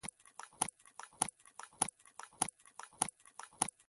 د زورخانې لوبه لرغونې ده.